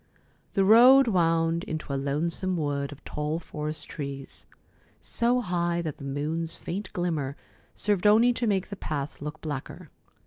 The road wound into a lonesome wood of tall forest trees, so high that the moon's faint glimmer served only to make the path look blacker.